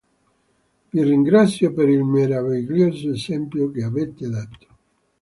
Vi ringrazio per il meraviglioso esempio che avete dato.